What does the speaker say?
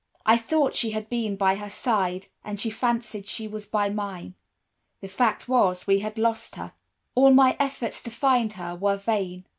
I thought she had been by her side, and she fancied she was by mine. The fact was, we had lost her. "All my efforts to find her were vain.